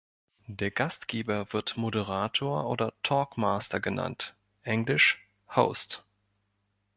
Der Gastgeber wird Moderator oder "Talkmaster" genannt, englisch "Host".